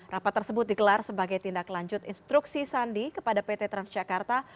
rapat tersebut digelar sebagai tindak lanjut instruksi sandi kepada pt transjakarta